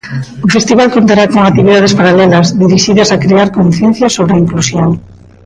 O festival contará con actividades paralelas dirixidas a crear conciencia sobre a inclusión.